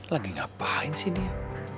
lagi ngapain sih dia